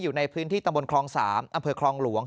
อยู่ในพื้นที่ตำบลคลอง๓อำเภอคลองหลวง